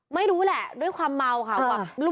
ไม่รู้แหละด้วยความเมาค่ะ